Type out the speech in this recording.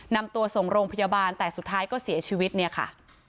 นำตัวส่งโรงพยาบาลแต่สุดท้ายก็เสียชีวิตเนี่ยค่ะ